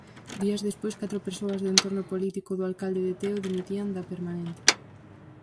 Días despois catro persoas do entorno político do alcalde de Teo dimitían da Permanente.